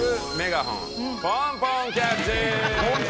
ポンポンキャッチ？